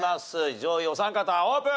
上位お三方オープン！